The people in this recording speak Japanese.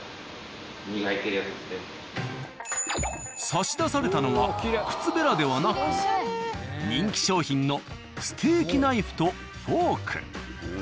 差し出されたのは靴べらではなく人気商品のステーキナイフとフォーク。